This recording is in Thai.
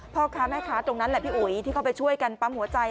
พ่อค้าแม่ค้าตรงนั้นแหละพี่อุ๋ยที่เข้าไปช่วยกันปั๊มหัวใจ